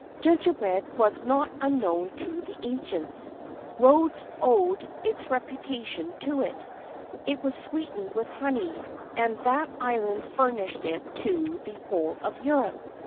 Gingerbread was not unknown to the ancients. Rhodes owed its reputation to it. It was sweetened with honey, and that island furnished it to the whole of Europe.